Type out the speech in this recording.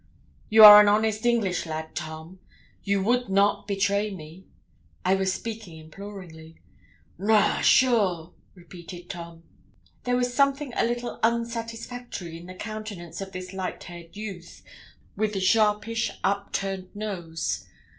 'You are an honest English lad, Tom you would not betray me?' I was speaking imploringly. 'Noa, sure,' repeated Tom. There was something a little unsatisfactory in the countenance of this light haired youth, with the sharpish up turned nose.